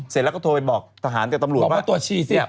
เสร็จแล้วก็โทรไปบอกทหารตัวตำรวจบอกว่า